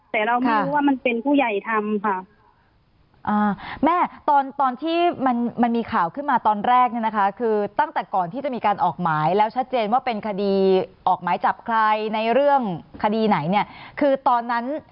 แต่เราไม่รู้ว่ามันเป็นผู้ใหญ่ทำค่ะแม่ตอนตอนที่มันมันมีข่าวขึ้นมาตอนแรกเนี่ยนะคะคือตั้งแต่ก่อนที่จะมีการออกหมายแล้วชัดเจนว่าเป็นคดีออกหมายจับใครในเรื่องคดีไหนเนี่ยคือตอนนั้น